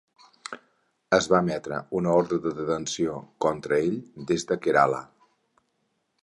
Es va emetre una ordre de detenció contra ell des de Kerala.